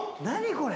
これ。